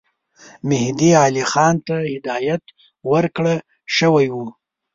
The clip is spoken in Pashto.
مهدي علي خان ته هدایت ورکړه شوی وو.